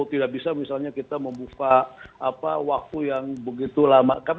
tidak bisa misalnya kita membuka waktu yang begitu lama kan